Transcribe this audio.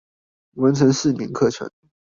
完成四年課程